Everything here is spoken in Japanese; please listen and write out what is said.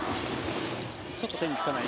ちょっと手につかない。